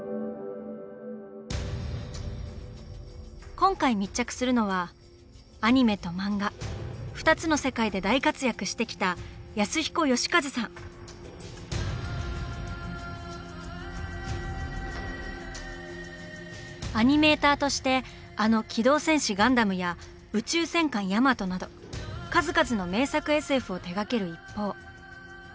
今回密着するのはアニメと漫画２つの世界で大活躍してきたアニメーターとしてあの「機動戦士ガンダム」や「宇宙戦艦ヤマト」など数々の名作ＳＦを手がける一方。